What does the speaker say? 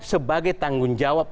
sebagai tanggung jawab